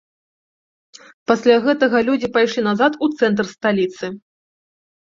Пасля гэтага людзі пайшлі назад у цэнтр сталіцы.